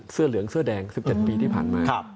เสื้อเหลืองเสื้อแดง๑๗ปีที่ผ่านมา